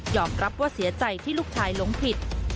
รับว่าเสียใจที่ลูกชายหลงผิด